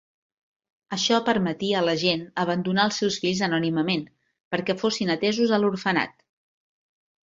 Això permetia a la gent abandonar els seus fills anònimament, perquè fossin atesos a l'orfenat.